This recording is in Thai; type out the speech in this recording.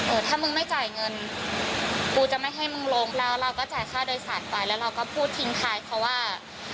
ถ้ามึงไม่จ่ายเงินกูจะไม่ให้มึงลงแล้วเราก็จ่ายค่าโดยสารไปแล้วเราก็พูดทิ้งท้ายเขาว่า